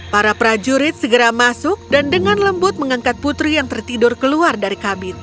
para prajurit segera masuk dan dengan lembut mengangkat putri yang tertidur keluar dari kabin